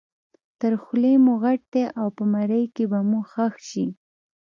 تر خولې مو غټ دی او په مرۍ کې به مو ښخ شي.